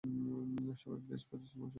সবাই ব্রেস পজিশনে বসুন।